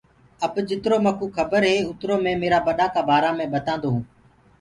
اب جِترو مڪوُ کبر هي اُترو مي ميرآ ٻڏآ ڪآ بآرآ مي ٻتآنٚدو هوٚنٚ۔